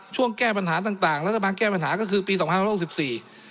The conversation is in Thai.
แก้ปัญหาต่างต่างรัฐบาลแก้ปัญหาก็คือปีสองพันร้อยหกสิบสี่